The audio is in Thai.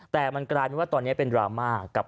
แต่มันกลายเป็นว่าตอนนี้เป็นดราม่ากับ